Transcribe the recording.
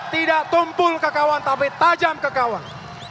tidak tumpul ke kawan tapi tajam ke kawan